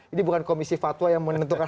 ini bukan komisi fatwa yang menentukan